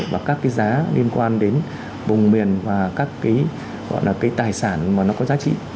và các cái giá liên quan đến vùng miền và các cái gọi là cái tài sản mà nó có giá trị